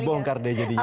dibongkar deh jadinya